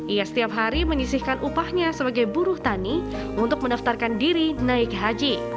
ia setiap hari menyisihkan upahnya sebagai buruh tani untuk mendaftarkan diri naik haji